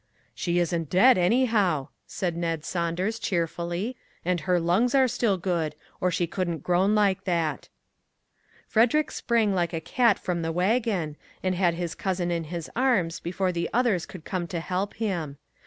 " She isn't dead, anyhow," said Ned Saun ders, cheerfully, " and her lungs are still good, or she couldn't groan like that." Frederick sprang like a cat from the wagon, and had his cousin in his arms before the others could come to help him.